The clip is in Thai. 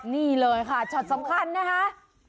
นี่เลยค่ะช็อตสำคัญนะคะ